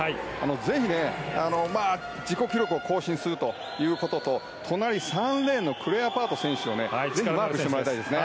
ぜひ自己記録を更新するということと隣、３レーンのクレアバート選手をぜひマークしてもらいたいです。